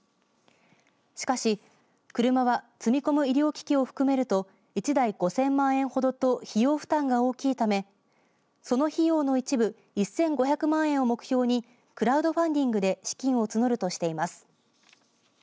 しかし、車は積み込む医療機器を含めると１台５０００万円ほどと費用負担が大きいためその費用の一部１５００万円を目標にクラウドファンディングで資金を募るとしています。